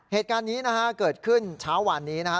เหตุการณ์นี้นะฮะเกิดขึ้นเช้าวันนี้นะฮะ